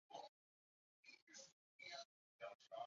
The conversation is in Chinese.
喀喇昆仑公路经过此地。